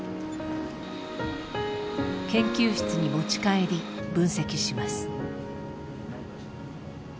研究室に持ち帰り分析します。